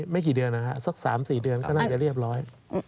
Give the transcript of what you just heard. ไม่กี่เดือนนะฮะสัก๓๔เดือนก็น่าจะเรียบร้อย